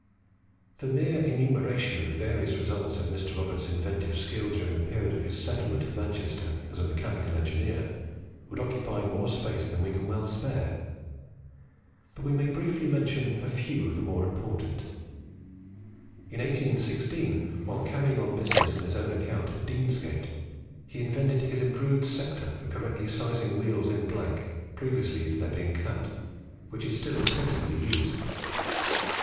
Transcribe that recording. The mere enumeration of the various results of Mr. Roberts's inventive skill during the period of his settlement at Manchester as a mechanical engineer, would occupy more space than we can well spare. But we may briefly mention a few of the more important. In 1816, while carrying on business on his own account in Deansgate, he invented his improved sector for correctly sizing wheels in blank previously to their being cut, which is still extensively used.